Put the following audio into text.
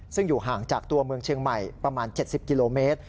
ซึ่งอยู่ห่างจากตัวเมืองเชียงใหม่ประมาณ๗๐กิโลเมตร